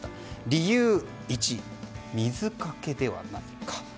理由１、水かけではないか。